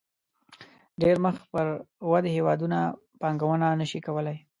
ډېری مخ پر ودې هېوادونه پانګونه نه شي کولای.